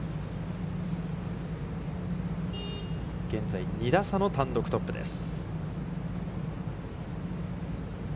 現在、２打差の単独トップです。